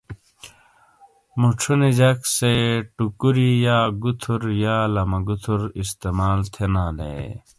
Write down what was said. مُچھونے جک سے (ٹوکوری ) (گوتھر ) یا لما گوتھراستعمال تھینالے ۔